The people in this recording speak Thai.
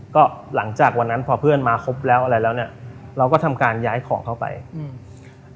ก็หลังจากวันนั้นพอเพื่อนมาครบแล้วอะไรแล้วเนี้ยเราก็ทำการย้ายของเข้าไปอืม